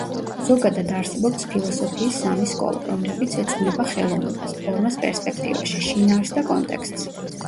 ზოგადად არსებობს ფილოსოფიის სამი სკოლა, რომლებიც ეძღვნება ხელოვნებას, ფორმას პერსპექტივაში, შინაარსს და კონტექსტს.